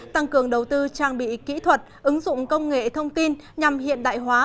tăng cường đầu tư trang bị kỹ thuật ứng dụng công nghệ thông tin nhằm hiện đại hóa